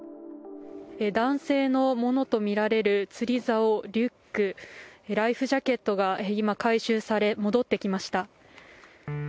男性のものとみられる釣りざお、リュックライフジャケットが今、回収され戻ってきました。